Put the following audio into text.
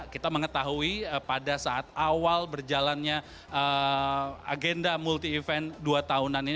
kita mengetahui pada saat awal berjalannya agenda multi event dua tahunan ini